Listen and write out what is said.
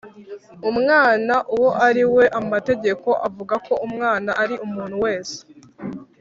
umwana uwo ari we. amategeko avuga ko umwana ari umuntu wese